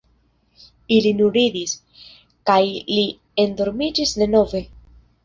Ili nur ridis, kaj li endormiĝis denove.